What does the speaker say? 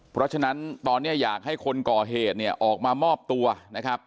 เพราะฉะนั้นตอนนี้อยากให้คนก่อเหตุเนี่ยออกมามอบตัวนะครับ